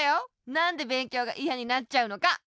なんでべんきょうがいやになっちゃうのか。